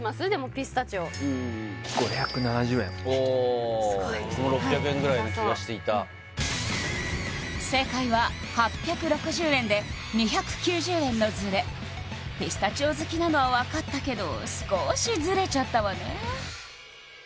ピスタチオおお僕も６００円ぐらいな気がしていた正解は８６０円で２９０円のズレピスタチオ好きなのは分かったけど少しズレちゃったわね